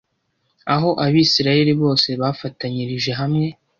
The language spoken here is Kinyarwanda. aho Abisirayeli bose bafatanyirije hamwe,